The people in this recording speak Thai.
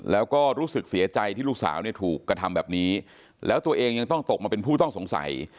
แล้วก็รู้สึกเสียใจที่ลูกสาวเนี่ยถูกกระทำแบบนี้แล้วตัวเองยังต้องตกมาเป็นผู้ต้องสงสัย